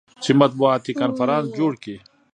چې مطبوعاتي کنفرانس جوړ کي.